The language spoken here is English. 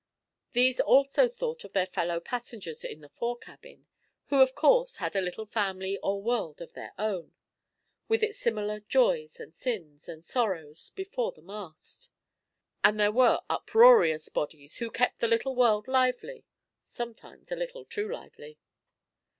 These also thought of their fellow passengers in the fore cabin, who of course had a little family or world of their own, with its similar joys, and sins, and sorrows, before the mast; and there were uproarious bodies who kept the little world lively sometimes a little too lively.